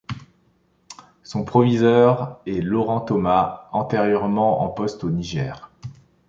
Son proviseur est Laurent Thomas, antérieurement en poste au Niger.